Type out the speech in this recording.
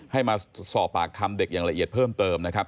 ให้มาสอบปากคำเด็กอย่างละเอียดเพิ่มเติมนะครับ